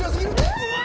うわ！